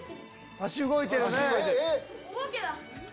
足動いてるね。